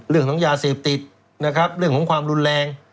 เรื่องของยาเสพติดนะครับเรื่องของความรุนแรง